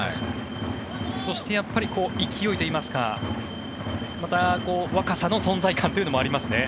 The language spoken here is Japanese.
そして勢いといいますか若さの存在感というのもありますね。